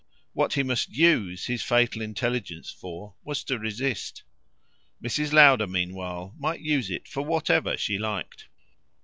What he must USE his fatal intelligence for was to resist. Mrs. Lowder meanwhile might use it for whatever she liked.